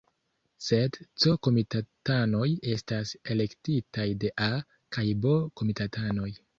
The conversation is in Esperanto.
Sed C-komitatanoj estas elektitaj de A- kaj B-komitatanoj.